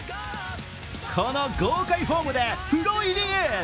この豪快フォームでプロ入りへ。